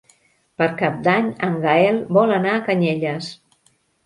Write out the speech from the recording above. Per Cap d'Any en Gaël vol anar a Canyelles.